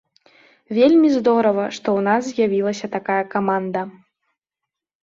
Вельмі здорава, што ў нас з'явілася такая каманда.